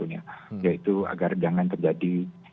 yaitu agar jangan terjadi